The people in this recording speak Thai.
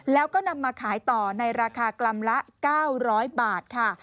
แล้วก็นำมาขายต่อในราคากรัมละ๙๐๐บาทค่ะ